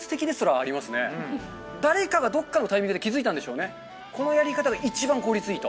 誰かがどっかのタイミングで気付いたんでしょうね。